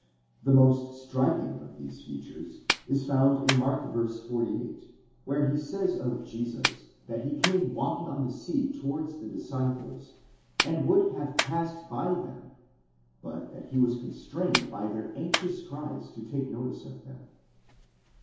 The most striking of these features is found in Mark v. 48, where he says of Jesus that he came walking on the sea towards the disciples, and would have passed by them, καὶ ἤθελε παρελθεῖν αὐτούς, but that he was constrained by their anxious cries to take notice of them.